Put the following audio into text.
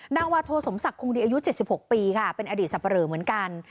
นาวาโทสมศักดิ์คงดีอายุ๗๖ปีค่ะเป็นอดีตสับปะเหลอเหมือนกัน